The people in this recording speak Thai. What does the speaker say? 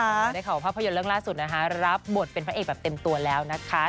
ได้ขอภาพยนตร์เรื่องล่าสุดนะคะรับบทเป็นพระเอกแบบเต็มตัวแล้วนะคะ